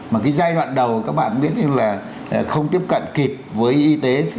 mà cái giai đoạn đầu các bạn biết là không tiếp cận kịp với y tế